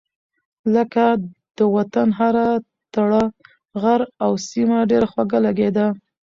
لکه : د وطن هره تړه غر او سيمه ډېره خوږه لګېده.